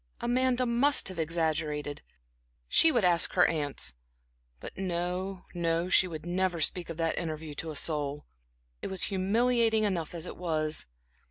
Amanda must have exaggerated she would ask her aunts; but no, no she would never speak of that interview to a soul. It was humiliating enough as it was....